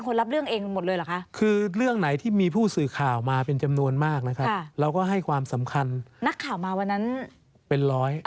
นักข่าวมาวันนั้นเป็นร้อย